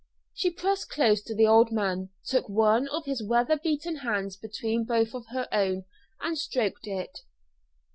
She pressed close to the old man, took one of his weather beaten hands between both of her own, and stroked it.